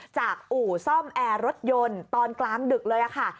อู่ซ่อมแอร์รถยนต์ตอนกลางดึกเลยค่ะ